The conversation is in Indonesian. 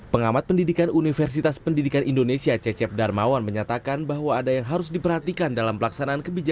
pengamat pendidikan universitas pendidikan indonesia cecep darmawan menyatakan bahwa ada yang harus diperhatikan dalam pelaksanaan kebijakan